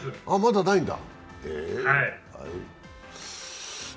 まだないんだ。